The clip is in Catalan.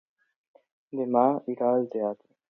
Demà irà al teatre.